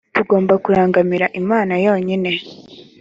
tugomba kurangamira imana yonyine